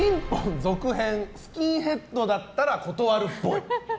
続編スキンヘッドだったら断るっぽい。